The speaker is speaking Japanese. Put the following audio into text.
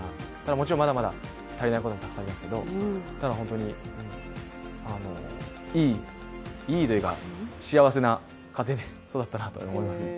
もちろんまだまだ足りないことはたくさんありますけれども、ただ、本当に、いいいいというか、幸せな家庭で育ったなと思います。